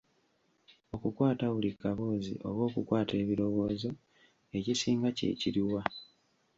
Okukwata buli kaboozi oba okukwata ebirowoozo, ekisinga kye kiri wa?